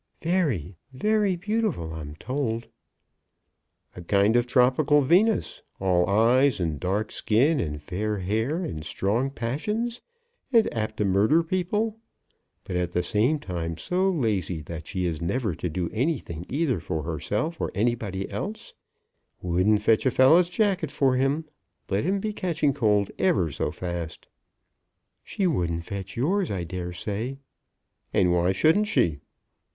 "Very, very beautiful, I'm told." "A kind of tropical Venus, all eyes, and dark skin, and black hair, and strong passions, and apt to murder people; but at the same time so lazy that she is never to do anything either for herself or anybody else; wouldn't fetch a fellow's jacket for him, let him be catching cold ever so fast." "She wouldn't fetch yours, I dare say." "And why shouldn't she?"